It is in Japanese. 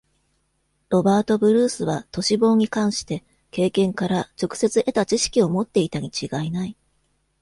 ロバート・ブルースは都市防に関して、経験から直接得た知識を持っていたにちがいない。